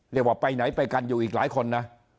เรียกว่าไปไหนไปกันอยู่อีกหลายคนน่ะ